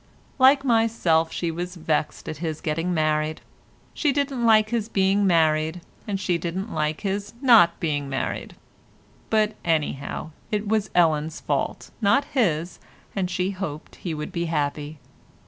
Like myself, she was vexed at his getting married. She didn't like his being married, and she didn't like his not being married—but, anyhow, it was Ellen's fault, not his, and she hoped he would be happy.